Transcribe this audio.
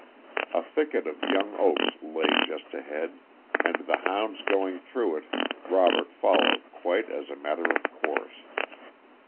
A thicket of young oaks lay just ahead, and the hounds going through it Robert followed quite as a matter of course.